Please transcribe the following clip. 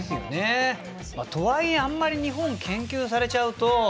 とはいえあまり日本を研究されちゃうと。